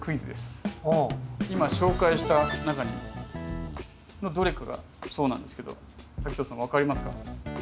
今紹介した中のどれかがそうなんですけど滝藤さん分かりますか？